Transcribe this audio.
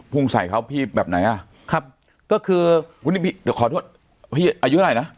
ใส่เขาพี่แบบไหนอ่ะครับก็คือวันนี้พี่เดี๋ยวขอโทษพี่อายุเท่าไหร่นะ